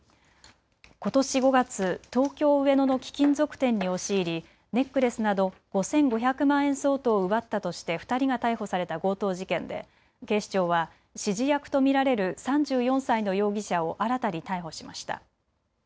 ことし５月、東京上野の貴金属店に押し入りネックレスなど５５００万円相当を奪ったとして２人が逮捕された強盗事件で警視庁は指示役と見られる３４歳の容疑者を新たに逮捕しました。